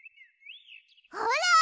ほら！